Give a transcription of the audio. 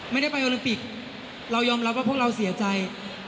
ไม่ได้ไปโอลิมปิกเรายอมรับว่าพวกเราเสียใจ